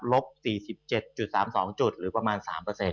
ลบ๔๗๓๒จุดหรือประมาณ๓เปอร์เซ็นต์